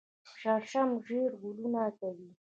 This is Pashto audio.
شړشم ژیړ ګلونه کوي